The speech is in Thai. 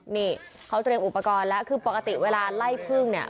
นี่เขาเตรียมอุปกรณ์แล้วคือปกติเวลาไล่พึ่งเนี่ย